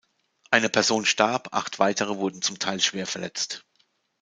Eine Person starb, acht weitere wurden zum Teil schwer verletzt.